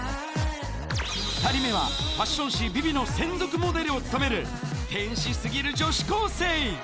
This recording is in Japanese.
２人目はファッション誌、ＶｉＶｉの専属モデルを務める、天使すぎる女子高生。